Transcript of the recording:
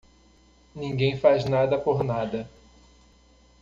Ninguém faz nada por nada.